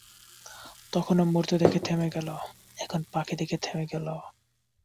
তখন ও মূর্তি দেখে থেমে গেল, এখন পাখি দেখে থেমে গেল।